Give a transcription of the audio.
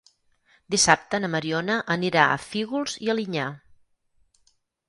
Dissabte na Mariona anirà a Fígols i Alinyà.